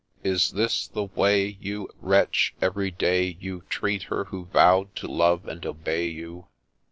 Is this the way, you Wretch, every day you Treat her who vow'd to love and obey you